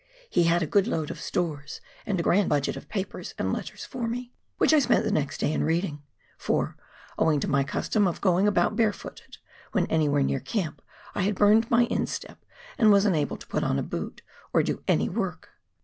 He had a good load of stores, and a grand budget of papers and letters for me, which I spent the next day in reading ; for, owing to my custom of going about bare footed when anywhere near camp, I had burnt my instep and was unable to put on a boot or do any work.